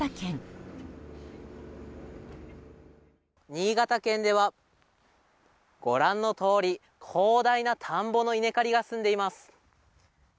新潟県では、ご覧のとおり広大な田んぼの稲刈りが進んでいます。